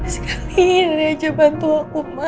sekaliin aja bantu aku ma